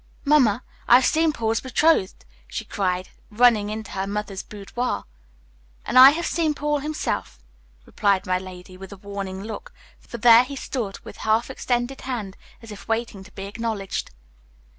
"Mamma, I've seen Paul's betrothed!" she cried, running into her mother's boudoir. "And I have seen Paul himself," replied my lady, with a warning look, for there he stood, with half extended hand, as if waiting to be acknowledged.